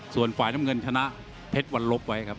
ส่วนฝ่ายน้ำเงินชนะเพชรวันลบไว้ครับ